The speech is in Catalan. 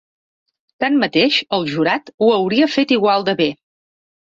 Tanmateix, el "jurat" ho hauria fet igual de bé.